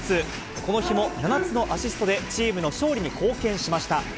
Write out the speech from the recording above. この日も７つのアシストでチームの勝利に貢献しました。